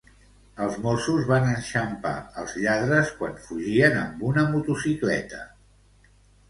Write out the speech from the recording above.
Els Mossos van enxampar els lladres quan fugien amb una motocicleta.